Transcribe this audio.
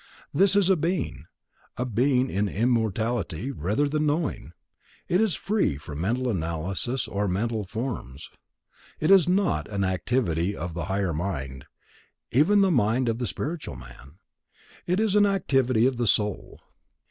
This is a being, a being in immortality, rather than a knowing; it is free from mental analysis or mental forms. It is not an activity of the higher mind, even the mind of the spiritual man. It is an activity of the soul.